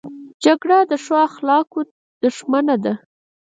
جګړه د ښو اخلاقو دښمنه ده